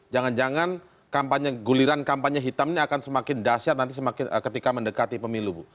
jangan jangan guliran kampanye hitam ini akan semakin dahsyat nanti ketika mendekati pemilu bu